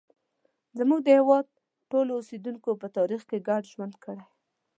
زموږ د هېواد ټولو اوسیدونکو په تاریخ کې ګډ ژوند کړی.